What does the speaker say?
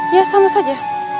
ya sama saja